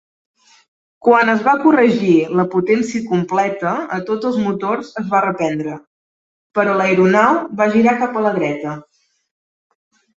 Quan es va corregir la potència completa a tots els motors es va reprendre, però l"aeronau va girar cap a la dreta.